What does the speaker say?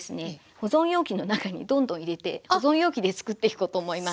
保存容器の中にどんどん入れて保存容器で作っていこうと思います。